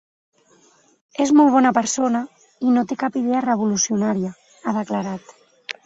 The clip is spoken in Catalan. És molt bona persona i no té cap idea revolucionària, ha declarat.